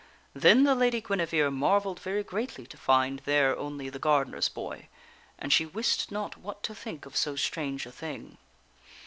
Then the Lady Guinevere marvelled very greatly to find there only the gardener's boy, and she wist not what to think of so strange a thing.